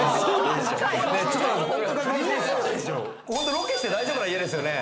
ロケして大丈夫な家ですよね？